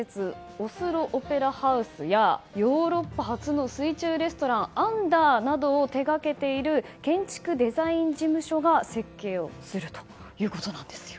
オスロ・オペラハウスやヨーロッパ初の水中レストランアンダーなどを手掛けている建築デザイン事務所が設計をするということなんですよ。